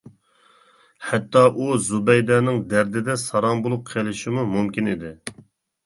ھەتتا ئۇ زۇبەيدەنىڭ دەردىدە ساراڭ بولۇپ قىلىشىمۇ مۇمكىن ئىدى.